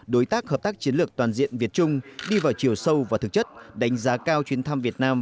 đối tác hợp tác chiến lược toàn diện việt trung đi vào chiều sâu và thực chất đánh giá cao chuyến thăm việt nam